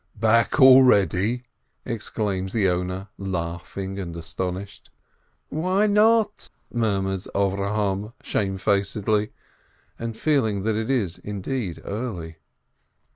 "Back already?" exclaims the owner, laughing and astonished. "Why not?" murmurs Avrohom, shamefacedly, and feeling that it is, indeed, early.